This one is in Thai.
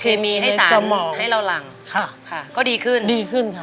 สามีก็ต้องพาเราไปขับรถเล่นดูแลเราเป็นอย่างดีตลอดสี่ปีที่ผ่านมา